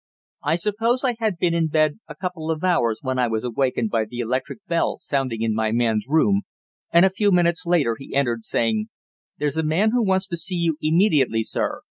I suppose I had been in bed a couple of hours when I was awakened by the electric bell sounding in my man's room, and a few minutes later he entered, saying: "There's a man who wants to see you immediately, sir.